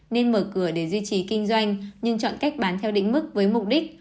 nên mở cửa để duy trì kinh doanh nhưng chọn cách bán theo định mức với mục đích